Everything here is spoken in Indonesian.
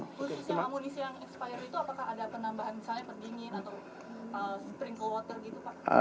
khususnya amunisi yang expired itu apakah ada penambahan misalnya pendingin atau sprinkle water gitu pak